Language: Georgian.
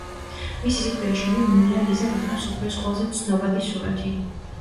მისი სიკვდილის შემდეგ მონა ლიზა გახდა მსოფლიოს ყველაზე ცნობადი სურათი.